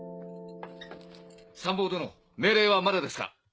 参謀殿命令はまだですか？